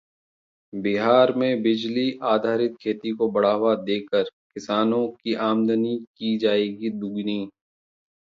बिहार में बिजली आधारित खेती को बढ़ावा देकर किसानों की आमदनी की जाएगी दोगुनी